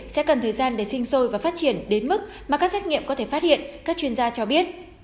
sẽ cần thời gian để sinh sôi và phát triển đến mức mà các xét nghiệm có thể phát hiện các chuyên gia cho biết